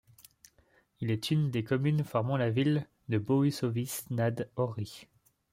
Il est une des communes formant la ville de Bohušovice nad Ohří.